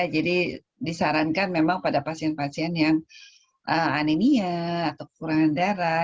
jadi disarankan memang pada pasien pasien yang anemia atau kurang darah